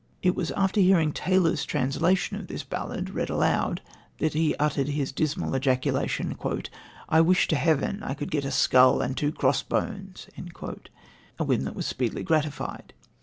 It was after hearing Taylor's translation of this ballad read aloud that he uttered his dismal ejaculation: "I wish to heaven I could get a skull and two crossbones" a whim that was speedily gratified.